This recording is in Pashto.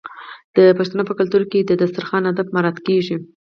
د پښتنو په کلتور کې د دسترخان اداب مراعات کیږي.